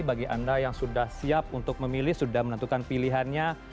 bagi anda yang sudah siap untuk memilih sudah menentukan pilihannya